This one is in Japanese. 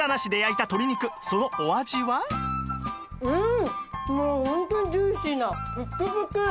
うん！